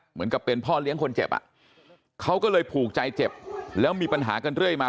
เหมือนกับเป็นพ่อเลี้ยงคนเจ็บอ่ะเขาก็เลยผูกใจเจ็บแล้วมีปัญหากันเรื่อยมา